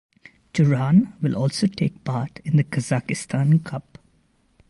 Turan will also take part in the Kazakhstan Cup.